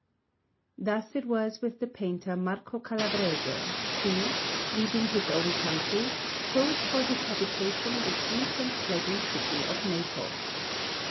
Thus it was with the painter Marco Calavrese, who, leaving his own country, chose for his habitation the sweet and pleasant city of Naples.